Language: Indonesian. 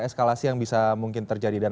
eskalasi yang bisa mungkin terjadi dan